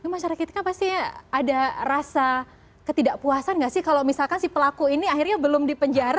masyarakat kita pasti ada rasa ketidakpuasan nggak sih kalau misalkan si pelaku ini akhirnya belum dipenjara